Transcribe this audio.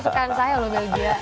itu tuh sukaan saya loh belgia